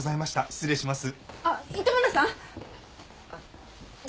失礼します。